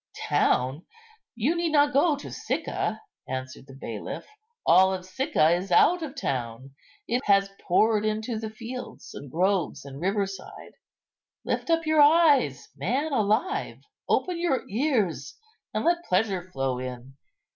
"Town! you need not go to Sicca," answered the bailiff, "all Sicca is out of town. It has poured into the fields, and groves, and river side. Lift up your eyes, man alive, open your ears, and let pleasure flow in.